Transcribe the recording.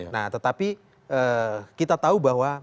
nah tetapi kita tahu bahwa